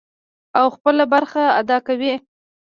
او خپله برخه ادا کوي.